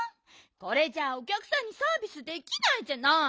これじゃあおきゃくさんにサービスできないじゃない！